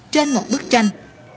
trên một bức tranh